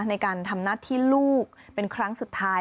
ในการทำหน้าที่ลูกเป็นครั้งสุดท้าย